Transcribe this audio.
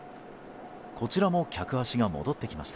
こちらも客足が戻ってきました。